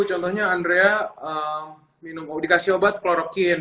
contohnya andrea dikasih obat klorokin